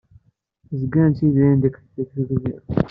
Zgan ttidiren deg tugdi.